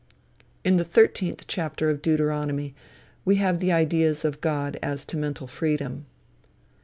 In the thirteenth chapter of Deuteronomy, we have the ideas of God as to mental freedom.